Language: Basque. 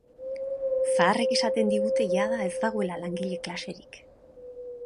Zaharrek esaten digute jada ez dagoela langile klaserik.